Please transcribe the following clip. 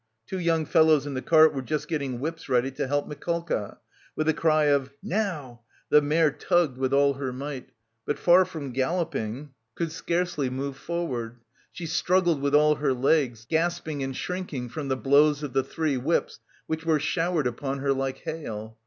Two young fellows in the cart were just getting whips ready to help Mikolka. With the cry of "now," the mare tugged with all her might, but far from galloping, could scarcely move forward; she struggled with her legs, gasping and shrinking from the blows of the three whips which were showered upon her like hail.